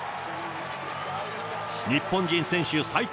日本人選手最多